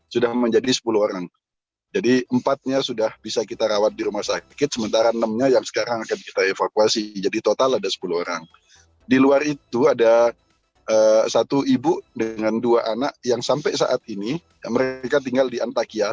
simpul masyarakat indonesia serta satgas perlindungan wni setempat untuk proses evakuasi